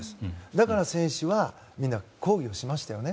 だから、選手は抗議をしましたよね。